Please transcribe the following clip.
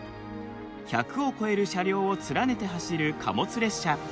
１００を超える車両を連ねて走る貨物列車。